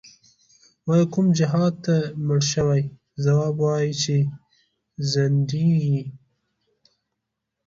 وایې کوم جهادته مړ شوی، ځواب وایه چی ځندیږی